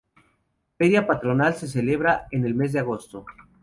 Feria patronal se celebra en el mes de agosto.